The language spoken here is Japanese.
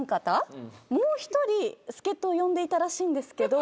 もう１人助っ人を呼んでいたらしいんですけど。